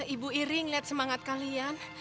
ibu iring lihat semangat kalian